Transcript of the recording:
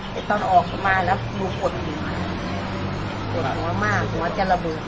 แต่ตอนออกมาแล้วหนูกดหนูมาหนูว่ามากหนูว่าจะระเบิดไหม